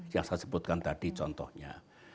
yang saya sebutkan tadi contohnya